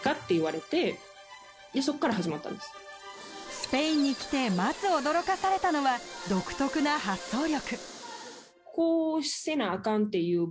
スペインに来てまず驚かされたのは独特な発想力。